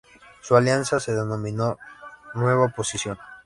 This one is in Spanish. Su alianza se denominó Nueva Oposición.